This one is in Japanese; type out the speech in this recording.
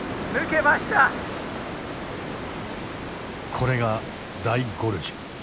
これが大ゴルジュ。